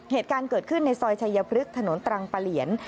เหตุการณ์เกิดขึ้นในซอยชายพฤกษ์ถนนตรังปะเหลียน